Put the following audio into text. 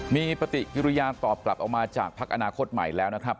มีปฏิกิริยาตอบกลับออกมาจากพักอนาคตใหม่แล้วนะครับ